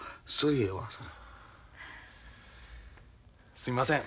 すみません。